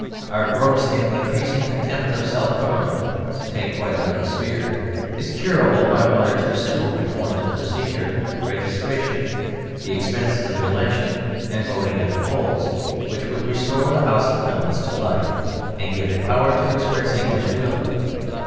Our gross and increasing contempt of self government (to take quite another sphere) is curable by one or two simple reforms in procedure, registration, the expenses of election, and voting at the polls, which would restore the House of Commons to life, and give it power to express English will.